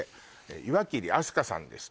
岩切明日香さんです